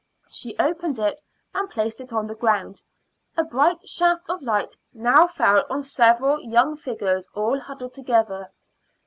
She opened it and placed it on the ground; a bright shaft of light now fell on several young figures all huddled together.